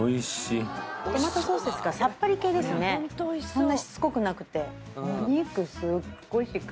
そんなしつこくなくて。